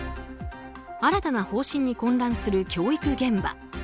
新たな方針に混乱する教育現場。